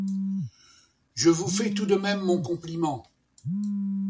Je vous fais tout de même mon compliment.